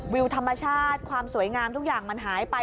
วิวธรรมชาติความสวยงามทุกอย่างมันหายไป